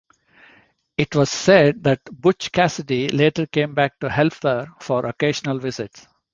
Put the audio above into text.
It was said that Butch Cassidy later came back to Helper for occasional visits.